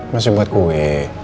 masih buat kue